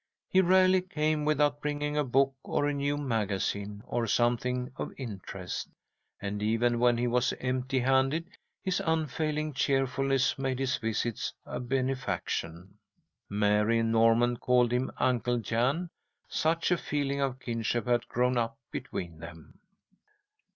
He rarely came without bringing a book or a new magazine, or something of interest. And even when he was empty handed, his unfailing cheerfulness made his visits a benefaction. Mary and Norman called him "Uncle Jan," such a feeling of kinship had grown up between them.